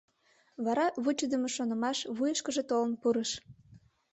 Вара вучыдымо шонымаш вуйышкыжо толын пурыш.